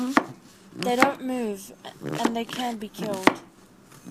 They don't move, and they can be killed.